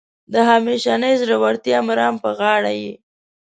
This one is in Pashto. د همیشنۍ زړورتیا مرام په غاړه یې.